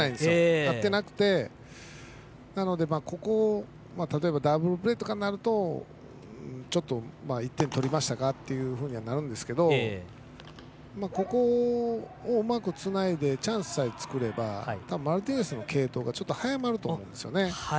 合っていなくてここでダブルプレーとかになるとちょっと１点取りましたがというふうになるんですけれどもここをうまくつないでチャンスを作ればたぶんマルティネスの継投が少し早まると思うんですね。